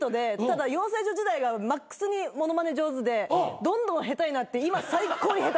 ただ養成所時代がマックスに物まね上手でどんどん下手になって今最高に下手になってます。